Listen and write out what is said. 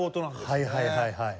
はいはいはいはい。